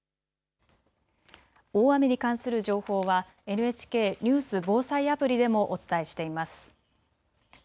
大雨に関する情報はＮＨＫニュース・防災アプリでもお伝えしています。